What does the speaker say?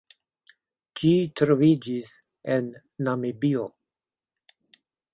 Ĝi troviĝis en Namibio.